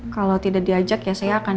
kalau tidak diajak ya saya akan